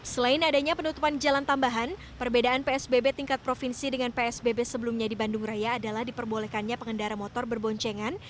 selain adanya penutupan jalan tambahan perbedaan psbb tingkat provinsi dengan psbb sebelumnya di bandung raya adalah diperbolehkannya pengendara motor berboncengan